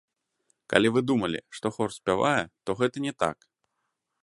Калі вы думалі, што хор спявае, то гэта не так.